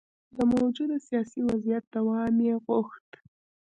د موجوده سیاسي وضعیت دوام یې غوښت.